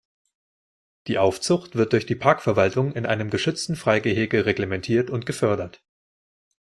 Die Aufzucht wird durch die Parkverwaltung in einem geschützten Freigehege reglementiert und gefördert.